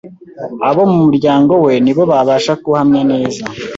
abo mu muryango we ni bo babasha guhamya neza